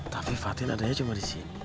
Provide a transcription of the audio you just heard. tapi fatin adanya cuma disini